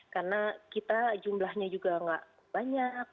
karena kita jumlahnya juga nggak banyak